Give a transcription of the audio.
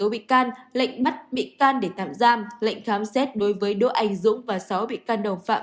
sáu bị can lệnh bắt bị can để tạm giam lệnh khám xét đối với đỗ anh dũng và sáu bị can đồng phạm